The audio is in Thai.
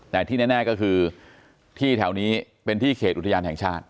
แต่ที่แน่ก็คือที่แถวนี้เป็นที่เขตอุทยานแห่งชาติ